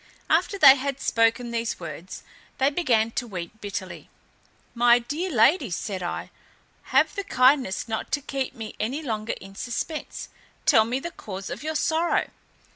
After they had spoken these words, they began to weep bitterly. "My dear ladies," said I, "have the kindness not to keep me any longer in suspense: tell me the cause of your sorrow."